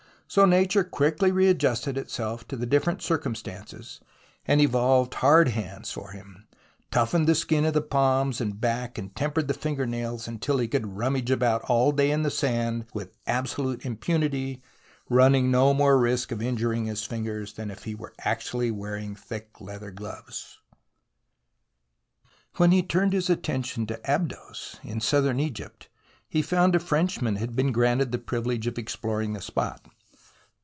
So nature quickly readjusted itself to the different circumstances and evolved hard hands for him, toughened the skin of the palms and back and tempered the finger nails until he could rummage about all day in the sand with abso lute impunity, running no more risk of injuring his lingers than if he were actually wearing thick leather gloves. When he turned his attention to Abydos in Southern Egypt, he found a Frenchman had been granted the privilege of exploring the spot.